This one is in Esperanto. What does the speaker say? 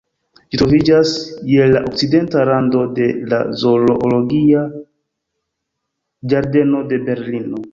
Ĝi troviĝas je la okcidenta rando de la Zoologia ĝardeno de Berlino.